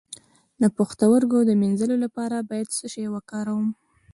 د پښتورګو د مینځلو لپاره باید څه شی وکاروم؟